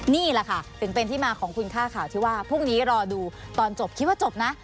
นี่แหละค่ะถึงเป็นที่มาของคุณค่าข่าวที่ว่าพรุ่งนี้รอดูตอนจบคิดว่าจบนะ